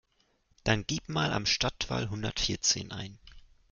Dann gib mal Am Stadtwall hundertvierzehn ein.